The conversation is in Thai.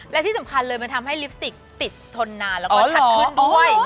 และที่สำคัญเลยมันทำให้ลิปสติกติดทนนานแล้วก็ชัดขึ้นด้วย